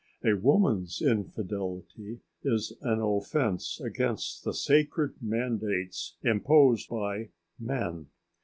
A woman's infidelity is an offence against the sacred mandates imposed by men.